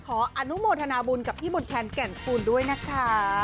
ขออนุโมทนาบุญกับพี่บุญแขนแก่นฟูลด้วยนะคะ